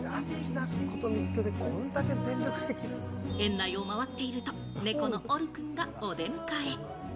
園内を回っていると猫のオルくんがお出迎え。